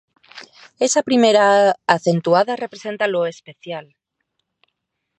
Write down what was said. Esa primera ā acentuada representa lo ‘especial’.